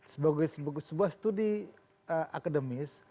sebagai sebuah studi akademis